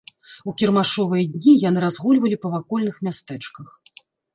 У кірмашовыя дні яны разгульвалі па вакольных мястэчках.